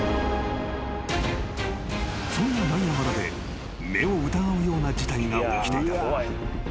［そんなナイアガラで目を疑うような事態が起きていた］